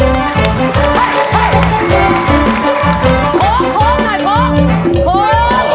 เฮ้ยเฮ้ยโค้งโค้งหน่อยโค้งโค้ง